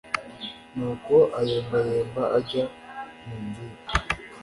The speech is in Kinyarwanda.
Nuko ayembayemba ajya ku nzu ye